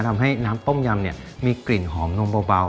ทำให้น้ำต้มยำเนี่ยมีกลิ่นหอมนมเบา